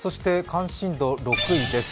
関心度６位です。